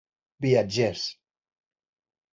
Viatgers!